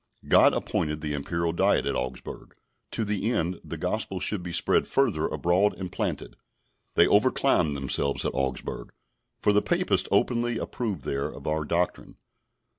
God appointed the Imperial Diet at Augsburg, to the end the Gospel should be spread further abroad and planted. They over climbed themselves at Augsburg, for the Papists openly approved there of our doctrine.